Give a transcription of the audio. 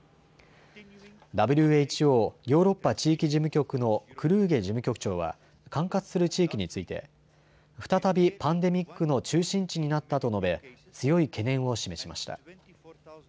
ＷＨＯヨーロッパ地域事務局のクルーゲ事務局長は管轄する地域について再びパンデミックの中心地になったと述べ強い懸念を示しました。